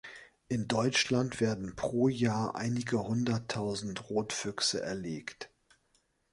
In Deutschland werden pro Jahr einige Hunderttausend Rotfüchse erlegt.